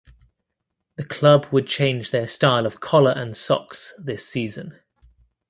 The club would change their style of collar and socks this season.